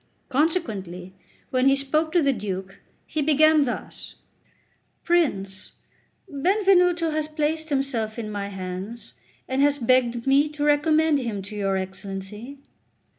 Consequently, when he spoke to the Duke, he began thus: "Prince, Benvenuto has placed himself in my hands, and has begged me to recommend him to your Excellency."